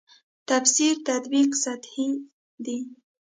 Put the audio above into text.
تفسیر تطبیق سطحې دي.